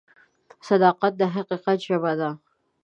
صداقت د حقیقت ژبه ده.